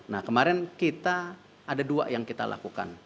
nah kemarin kita ada dua yang kita lakukan